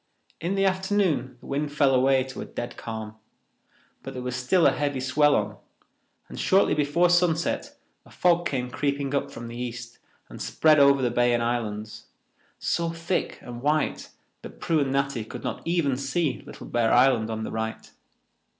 In the afternoon the wind fell away to a dead calm, but there was still a heavy swell on, and shortly before sunset a fog came creeping up from the east and spread over the bay and islands, so thick and white that Prue and Natty could not even see Little Bear Island on the right.